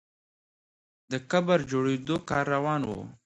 د قبر د جوړېدو کار روان وو.